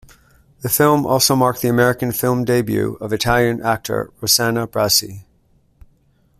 The film also marked the American film debut of Italian actor Rossano Brazzi.